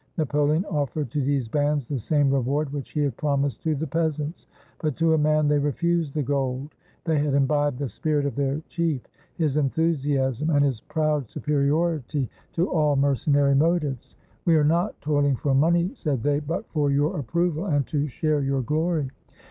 Napoleon offered to these bands the same reward which he had promised to the peasants. But to a man they refused the gold. They had imbibed the spirit of their chief, his enthusiasm, and his proud superiority to all mercenary motives. " We are not toihng for money," said they, but for your approval, and to share your glory."